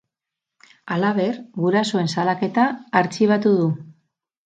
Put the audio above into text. Halaber, gurasoen salaketa artxibatu du.